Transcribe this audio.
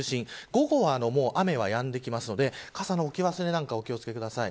午後は雨はやんできますので傘の置き忘れなんかにお気を付けください。